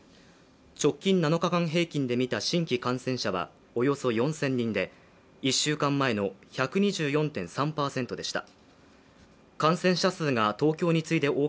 直近７日間平均で見た新規感染者はおよそ４０００人で１週間前の１２４．３％でした。